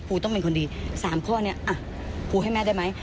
ต้องเป็นคนดี๓ข้อนี้อ่ะปูให้แม่ได้ไหม